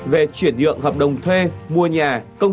về chuyển nhượng hợp đồng thuê mua nhà công trình xây dựng có sẵn